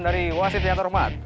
dari wasit rianto rahmat